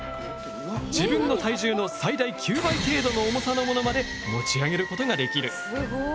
自分の体重の最大９倍程度の重さのものまで持ち上げることができる。